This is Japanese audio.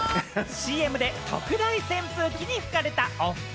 ＣＭで特大扇風機に吹かれたお二人。